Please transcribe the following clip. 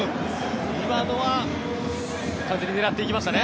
今のは完全に狙っていきましたね。